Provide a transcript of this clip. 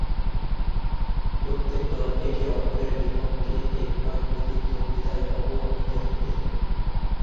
প্রত্যেক দল একে-অপরের বিপক্ষে একবার প্রতিদ্বন্দ্বিতায় অবতীর্ণ হবে।